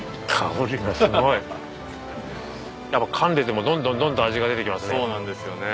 やっぱかんでいてもどんどんどんどん味が出てきますね。